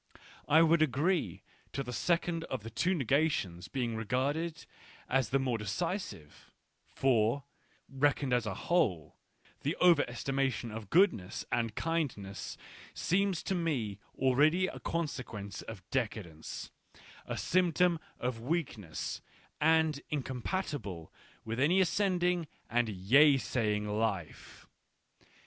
I would agree to the second of the two negations being regarded as the more decisive, for, reckoned as a whole, the over estimation of goodness and kindness seems to me already a consequence of decadence, a symptom of weakness, and incompatible with any ascending and yea saying life.